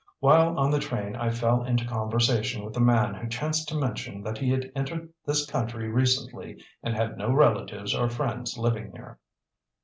While on the train I fell into conversation with a man who chanced to mention that he had entered this country recently and had no relatives or friends living here."